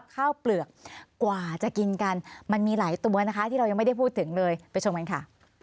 ข้าวเปลือกกว่าจะกินกันมันมีหลายตัวนะคะที่เรายังไม่ได้พูดถึงเลยไปชมกันค่ะ